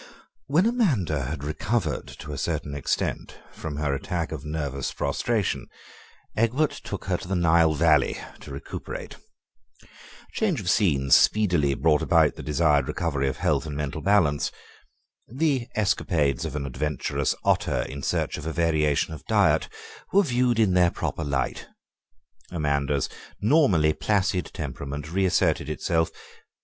When Amanda had recovered to a certain extent from her attack of nervous prostration Egbert took her to the Nile Valley to recuperate. Change of scene speedily brought about the desired recovery of health and mental balance. The escapades of an adventurous otter in search of a variation of diet were viewed in their proper light. Amanda's normally placid temperament reasserted itself.